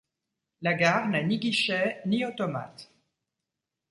La gare n'a ni guichet ni automates.